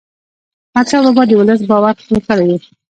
احمدشاه بابا د ولس باور خپل کړی و.